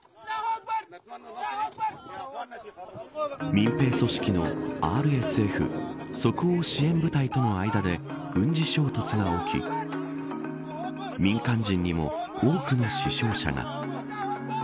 民兵組織のＲＳＦ即応支援部隊との間で軍事衝突が起き民間人にも多くの死傷者が。